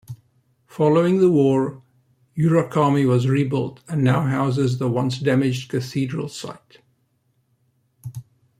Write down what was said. Following the war, Urakami was rebuilt and now houses the once-damaged Cathedral site.